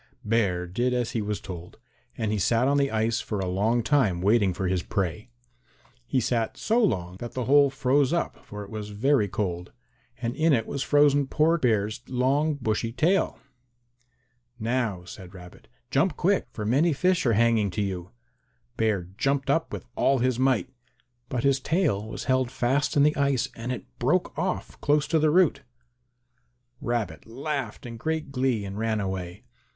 Bear did as he was told, and he sat on the ice for a long time waiting for his prey. He sat so long that the hole froze up, for it was very cold, and in it was frozen poor Bear's long bushy tail. "Now," said Rabbit, "jump quick, for many fish are hanging to you." Bear jumped with all his might, but his tail was held fast in the ice and it broke off close to the root. Rabbit laughed in great glee and ran away.